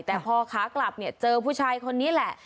แต่พอขากลับเนี่ยเจอผู้ชายคนนี้แหละ